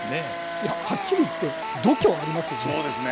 いやはっきり言って度胸ありますよね。